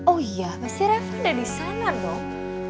oh iya pasti reva ada di sana dong